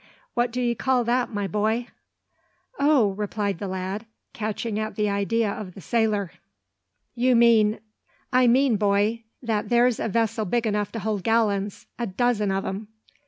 What do ye call that, my boy?" "Oh!" replied the lad, catching at the idea of the sailor. "You mean " "I mean, boy, that there's a vessel big enough to hold gallons, a dozen o' 'em."